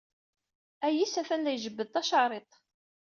Ayis atan la ijebbed tacariḍt.